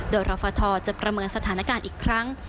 โดยรฟทจะประเมินสถานการณ์อีกครั้ง